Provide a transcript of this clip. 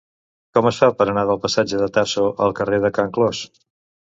Com es fa per anar del passatge de Tasso al carrer de Can Clos?